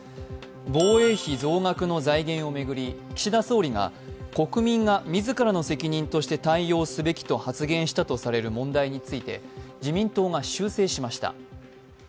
防衛費増額の財源を巡り岸田総理が国民が自らの責任として対応すべきと発言したとされる問題について自民党が修正しました。